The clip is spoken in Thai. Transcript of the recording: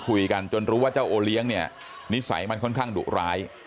จนรู้ว่าเจ้าโอเลี้ยงเนี่ยนิสัยมันค่อนข้างดุร้าย